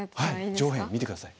上辺見て下さい。